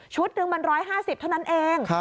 หนึ่งมัน๑๕๐เท่านั้นเอง